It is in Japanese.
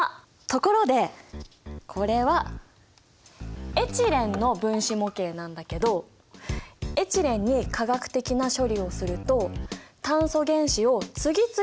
ところでこれはエチレンの分子模型なんだけどエチレンに化学的な処理をすると炭素原子を次々とつなげていくことができるんだ。